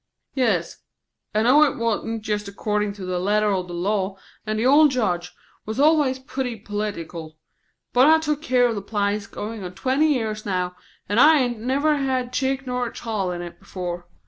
"Yes. I know it wa'n't just accordin' to the letter o' the law, and the old Judge was always pootty p'tic'lah. But I've took care of the place goin' on twenty years now, and I hain't never had a chick nor a child in it before.